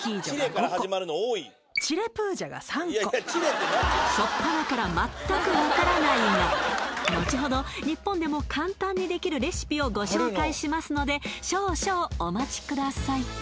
まずしょっぱなから全く分からないがのちほど日本でも簡単にできるレシピをご紹介しますので少々お待ちください